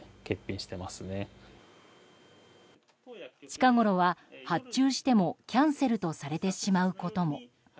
近ごろは発注してもキャンセルとされてしまうことも。